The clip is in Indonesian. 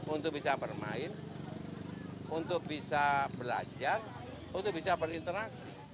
untuk bisa bermain untuk bisa belajar untuk bisa berinteraksi